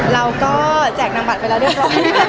เราก็แจกนางบัตรไปแล้วเรียบร้อย